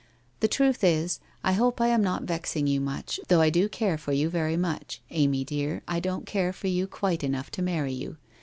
llic truth is —/ hope I am not vexing you much — though I do care for you very much. Amy dear, I don't care for you quite enough to marry you.